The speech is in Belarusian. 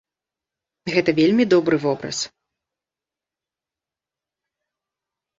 Гэта вельмі добры вобраз.